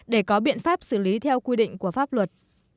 để có biện pháp xử lý theo quy định của pháp luật